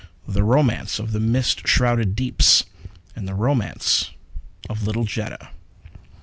The romance of the mist shrouded deeps. And the romance of little Jetta.